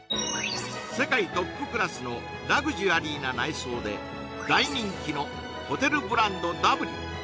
世界トップクラスのラグジュアリーな内装で大人気のホテルブランドＷ